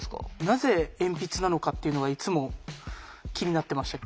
なぜ鉛筆なのかっていうのがいつも気になってました。